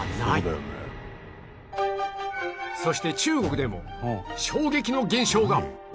そして中国でも衝撃の現象が！